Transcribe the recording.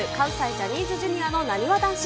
ジャニーズＪｒ．のなにわ男子。